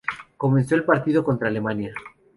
Comenzó el partido contra Alemania.